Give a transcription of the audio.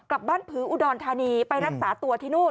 กลับบ้านผืออุดรธานีไปรักษาตัวที่นู่น